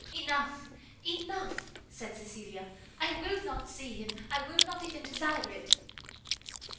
"Enough, enough," said Cecilia, "I will not see him, I will not even desire it!"